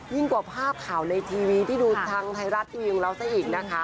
ยิ่งกว่าภาพข่าวในทีวีที่ดูทางไทยรัฐตีวีอยู่แล้วสักอีกนะคะ